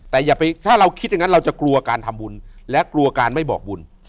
แต่อย่าไปถ้าเราคิดอย่างนั้นเราจะกลัวการทำบุญและกลัวการไม่บอกบุญ